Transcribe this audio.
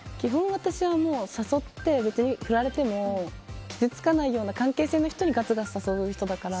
私は誘って振られても傷つかないような関係性の人にがつがつ誘う人だから。